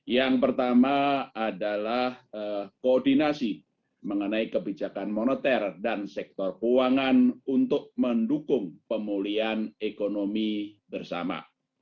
yang pertama adalah koordinasi mengenai kebijakan moneter dan sektor keuangan untuk mendukung pemulihan ekonomi bersama